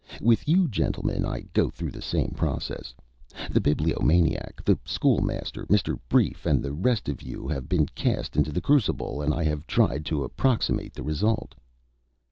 With you gentlemen I go through the same process. The Bibliomaniac, the School Master, Mr. Brief, and the rest of you have been cast into the crucible, and I have tried to approximate the result."